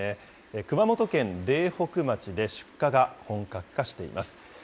熊本県苓北町で出荷が本格化しています。